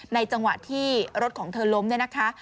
ในจังหวะที่รถของเธอล้มนะคะ